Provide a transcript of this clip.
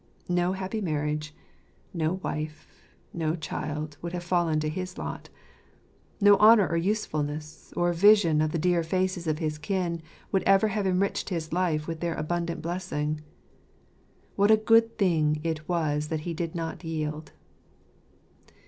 No happy marriage, no wife, no child, would have fallen to his lot. No honour or use fulness, or vision of the dear faces of his kin, would ever have enriched his life with their abundant blessing. What a good thing it was that he did not yield